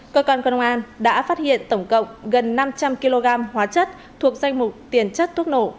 cơ quan công an đã phát hiện tổng cộng gần năm trăm linh kg hóa chất thuộc danh mục tiền chất thuốc nổ